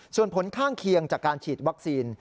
ส่วนผลข้างเคียงจากการฉีดวัคซีน